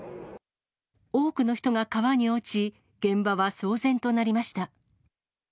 多くの人が川に落ち、現場は騒然となりました。